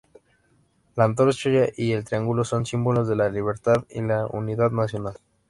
La antorcha y el triángulo son símbolos de la libertad y la unidad nacional.